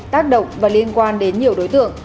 tác động và liên quan đến nhiều đối tượng